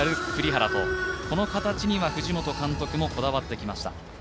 この形には藤本監督もこだわってきました。